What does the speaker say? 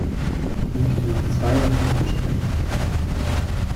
Ich möchte nur zwei davon ansprechen.